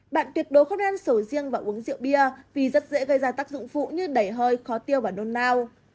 bạn tuyệt đối không nên sầu riêng và uống rượu bia vì rất dễ gây ra tác dụng phụ như đẩy hơi khó tiêu và nôn nao